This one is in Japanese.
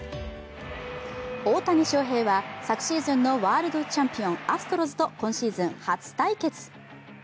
大谷翔平は昨シーズンのワールドチャンピオンアストロズと今シーズン初対決。